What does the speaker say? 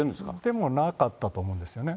でもなかったと思うんですよね。